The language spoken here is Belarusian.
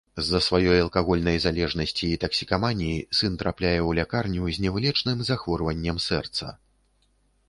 З-за сваёй алкагольнай залежнасці і таксікаманіі сын трапляе ў лякарню з невылечным захворваннем сэрца.